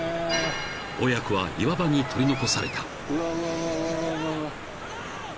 ［親子は岩場に取り残された］